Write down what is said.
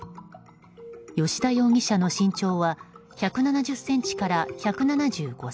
葭田容疑者の身長は１７０ｃｍから１７５ｃｍ。